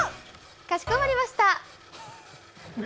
かしこまりました。